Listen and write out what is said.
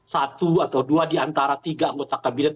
satu atau dua diantara tiga anggota kabinet